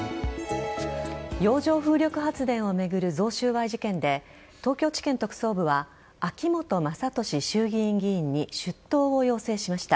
洋上風力発電を巡る贈収賄事件で東京地検特捜部は秋本真利衆議院議員に出頭を要請しました。